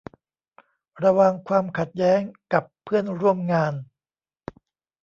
ระวังความขัดแย้งกับเพื่อนร่วมงาน